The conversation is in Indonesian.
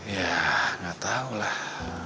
ya gak tau lah